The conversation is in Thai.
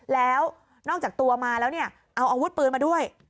แล้วนอกจากตัวมาแล้วเนี่ยเอาอาวุธปืนมาด้วย